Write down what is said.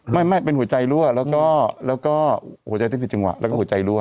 ไม่ไม่เป็นหัวใจรั่วแล้วก็หัวใจที่ผิดจังหวะแล้วก็หัวใจรั่